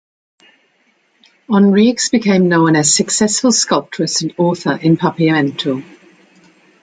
Henriquez became known as successful sculptress and author in Papiamentu.